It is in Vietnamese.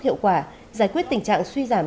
hiệu quả giải quyết tình trạng suy giảm